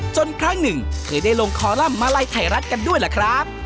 ครั้งหนึ่งเคยได้ลงคอลัมป์มาลัยไทยรัฐกันด้วยล่ะครับ